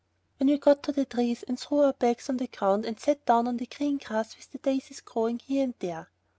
When we got to the trees we threw our bags on the ground and sat down on the green grass with the daisies growing here and there.